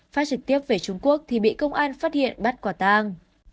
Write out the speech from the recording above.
phát trực tiếp về trung quốc thì bị công an phát hiện bắt quả tang